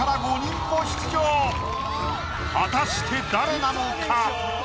果たして誰なのか？